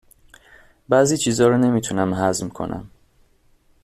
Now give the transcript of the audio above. بعضی چیزا رو نمی تونم هضم کنم